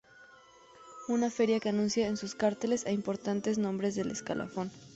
Una feria que anuncia en sus carteles a importantes nombres del escalafón.